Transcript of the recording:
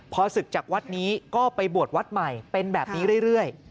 พอศึกจากวัดนี้ก็ไปบวชวัดใหม่เป็นแบบนี้เรื่อย